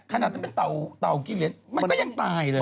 ขนาดต้องเป็นเต่ากินเหรียญมันก็ยังตายเลย